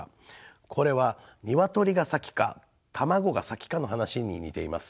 これは鶏が先か卵が先かの話に似ています。